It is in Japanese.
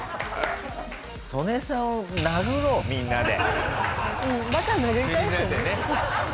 ソネさんを殴ろうみんなで。